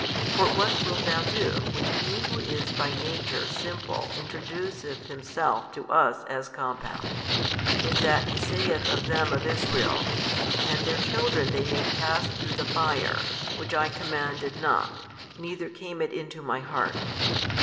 For what wilt thou do when He Who is by Nature Simple introduceth Himself to us as compound, in that He saith of them of Israel, And their children they made pass through the fire, which I commanded not, neither came it into My heart?